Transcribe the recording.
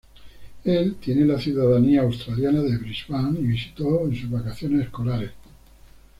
Él tiene la ciudadanía australiana de Brisbane y visitó en sus vacaciones escolares.